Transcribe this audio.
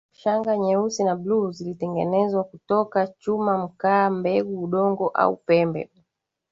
Shanga nyeusi na bluu zilitengenezwa kutoka chuma mkaa mbegu udongo au pembe